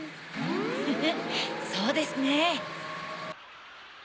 フフっそうですね。